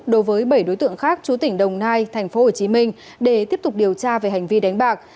đối với bảy đối tượng khác chú tỉnh đồng nai tp hcm để tiếp tục điều tra về hành vi đánh bạc